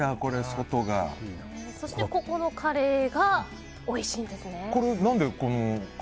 そして、ここのカレーがおいしいんですね。